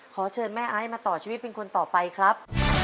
ขอเชิญแม่ไอซ์มาต่อชีวิตเป็นคนต่อไปครับ